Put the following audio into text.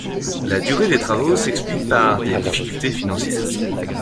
La durée des travaux s'explique par des difficultés financières.